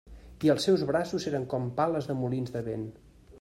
I els seus braços eren com pales de molins de vent.